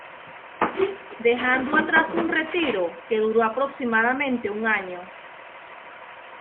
Dejando atrás un retiro que duro aproximadamente un año.